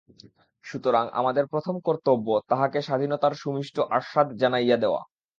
সুতরাং আমাদের প্রথম কর্তব্যতাহাকে স্বাধীনতার সুমিষ্ট আস্বাদ জানাইয়া দেওয়া।